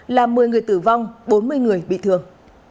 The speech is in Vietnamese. làm một mươi người tử vong bốn mươi người bị thương